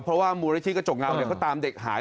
เพราะว่ามูลนิธิกระจกเงาเขาตามเด็กหาย